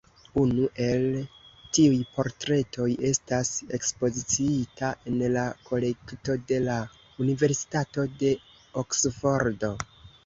Unu el tiuj portretoj estas ekspoziciita en la kolekto de la Universitato de Oksfordo.